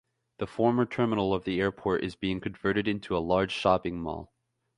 The former terminal of the airport is being converted into a large shopping mall.